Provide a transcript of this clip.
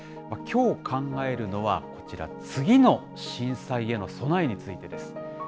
きょう考えるのは、こちら、次の震災への備えについてです。